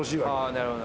あなるほど。